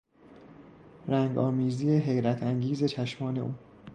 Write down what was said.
رنگ آمیزی حیرت انگیز چشمان او